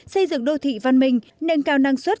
xây dựng đô thị văn minh nâng cao năng suất